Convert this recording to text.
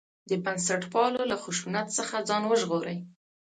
د بنسټپالو له خشونت څخه ځان وژغوري.